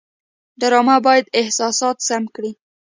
ډرامه باید احساسات سم کړي